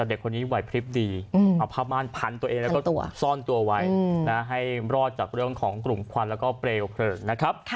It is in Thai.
เด็กคนนี้ไหวพลิบดีเอาผ้าม่านพันตัวเองแล้วก็ซ่อนตัวไว้ให้รอดจากเรื่องของกลุ่มควันแล้วก็เปลวเพลิงนะครับ